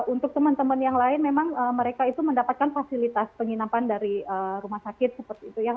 untuk teman teman yang lain memang mereka itu mendapatkan fasilitas penginapan dari rumah sakit seperti itu ya